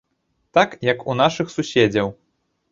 Так, як у нашых суседзяў.